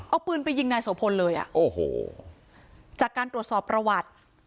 เอาปืนไปยิงนายโสพลเลยอ่ะโอ้โหจากการตรวจสอบประวัติ